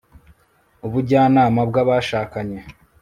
ubujyanama bwabashakanye